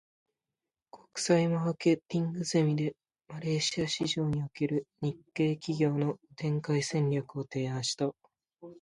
国際マーケティングゼミで、マレーシア市場における日系企業の展開戦略を提案した。